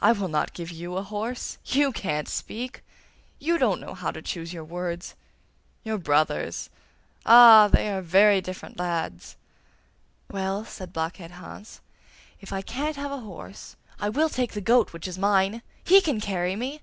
'I will not give you a horse. YOU can't speak; YOU don't know how to choose your words. Your brothers! Ah! they are very different lads!' 'Well,' said Blockhead Hans, 'if I can't have a horse, I will take the goat which is mine; he can carry me!